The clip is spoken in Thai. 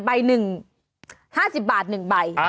๕๐ใบหนึ่ง๕๐บาท๑ใบ